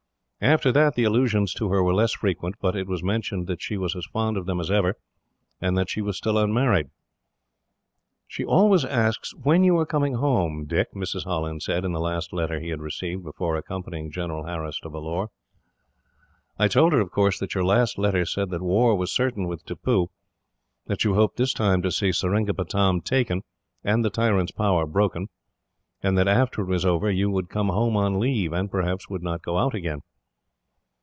After that the allusions to her were less frequent, but it was mentioned that she was as fond of them as ever, and that she was still unmarried. "She always asks when you are coming home, Dick," Mrs. Holland said, in the last letter he had received before accompanying General Harris to Vellore. "I told her, of course, that your last letter said that war was certain with Tippoo; that you hoped, this time, to see Seringapatam taken and the tyrant's power broken; and that after it was over you would come home on leave and, perhaps, would not go out again."